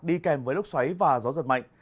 đi kèm với lốc xoáy và gió giật mạnh